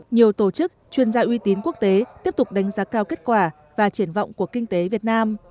nhiều tổ chức chuyên gia uy tín quốc tế tiếp tục đánh giá cao kết quả và triển vọng của kinh tế việt nam